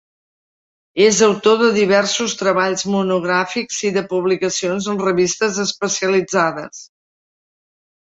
És autor de diversos treballs monogràfics i de publicacions en revistes especialitzades.